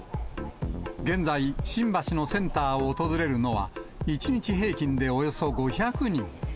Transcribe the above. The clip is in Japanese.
現在、新橋のセンターを訪れるのは、１日平均でおよそ５００人。